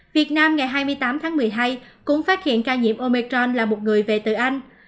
việt nam ngày hai mươi tám tháng một mươi hai cũng phát hiện ca nhiễm omecron là một người về từ anh